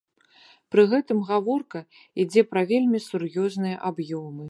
Пры гэтым гаворка ідзе пра вельмі сур'ёзныя аб'ёмы.